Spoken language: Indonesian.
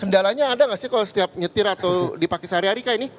kendalanya ada nggak sih kalau setiap nyetir atau dipakai sehari hari kak ini